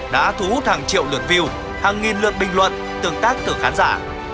đã thu hút hàng triệu lượt view hàng nghìn lượt bình luận tương tác thử khán giả